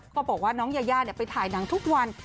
บอกว่าน้องยายาไปถ่ายหนังทุกวัน